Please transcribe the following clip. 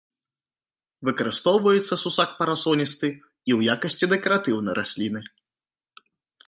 Выкарыстоўваецца сусак парасоністы і ў якасці дэкаратыўнай расліны.